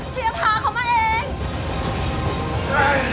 ชื่อฟอยแต่ไม่ใช่แฟง